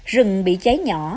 rừng bị cháy nhỏ